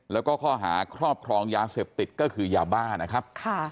แล้วก็ข้อหาครอบครองยาเสพติดก็คือยาบ้านะครับ